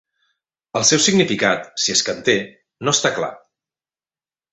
El seu significat, si és que en té, no està clar.